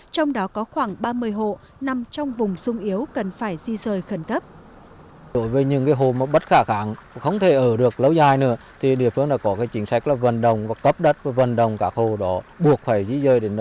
trong đó có khoảng ba mươi hộ nằm trong vùng sung yếu cần phải di rời khỏi